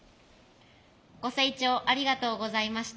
ご清聴ありがとうございました。